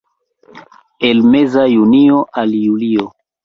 El meza junio al julio.